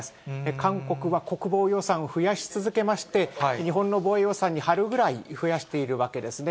韓国は国防予算を増やし続けまして、日本の防衛予算に張るぐらい、増やしているわけですね。